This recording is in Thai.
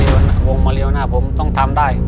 วงมาเลวหน้าผมต้องทำได้